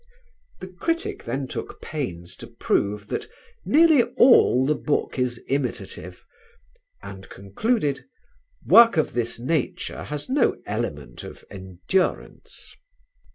The critic then took pains to prove that "nearly all the book is imitative" ... and concluded: "Work of this nature has no element of endurance."